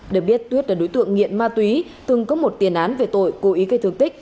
được biết tuyết là đối tượng nghiện ma túy từng có một tiền án về tội cố ý gây thương tích